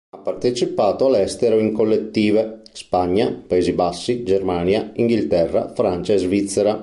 Ha partecipato all'estero in collettive: Spagna, Paesi Bassi, Germania, Inghilterra, Francia e Svizzera.